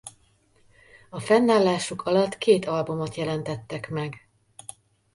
A fennállásuk alatt két albumot jelentettek meg.